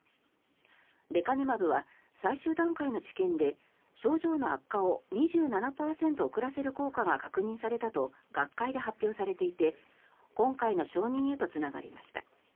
レカネマブは最終段階の治験で症状の悪化を２７％遅らせる効果が確認されたと学会で発表されていて今回の承認へとつながりました。